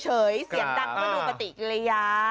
เสียงดังอันดูปติกิริยา